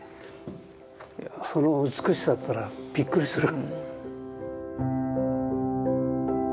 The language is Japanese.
その美しさといったらびっくりする。